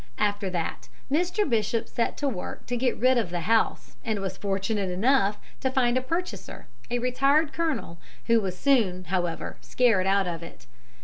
After that, Mr. Bishop set to work to get rid of the house, and was fortunate enough to find as a purchaser a retired colonel, who was soon, however, scared out of it.